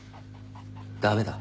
駄目だ。